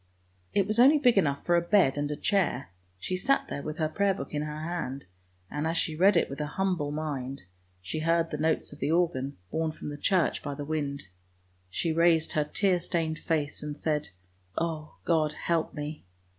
It was only big enough for a bed and a chair; she sat there with her prayer book in her hand, and as she read it with a humble mind, she THE RED SHOES 67 heard the notes of the organ, borne from the church by the wind; she raised her tear stained face and said, " Oh, God help me!